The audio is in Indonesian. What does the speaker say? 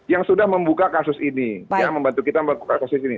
yang sudah membuka kasus ini yang membantu kita melakukan kasus ini